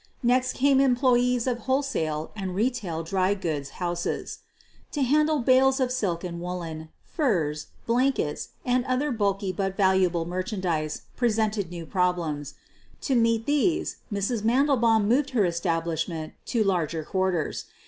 Next came employees of wholesale and retail dry goods houses. To handle bales of silk and woolen, furs, blankets, and other bulky but valuable merchandise presented new problems. To meet these Mrs. Mandelbaum moved her establishment to larger quarters.